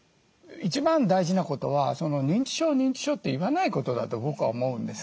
一番大事なことは認知症認知症って言わないことだと僕は思うんです。